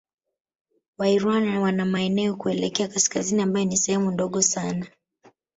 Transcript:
Wairwana wana maeneo kuelekea Kaskazini ambayo ni sehemu ndogo sana